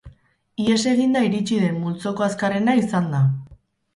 Ihes eginda iritsi den multzoko azkarrena izan da.